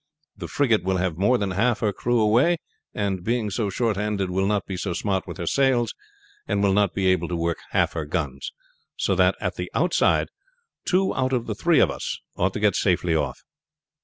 The frigate will have more than half her crew away, and being so short handed will not be so smart with her sails, and will not be able to work half her guns; so that at the outside two out of the three of us ought to get safely off."